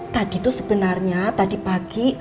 tadi itu sebenarnya tadi pagi